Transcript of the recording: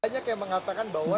banyak yang mengatakan bahwa